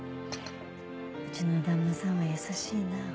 うちの旦那さんは優しいなあ。